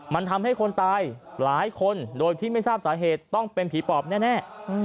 มันทำให้คนตายหลายคนโดยที่ไม่ทราบสาเหตุต้องเป็นผีปอบแน่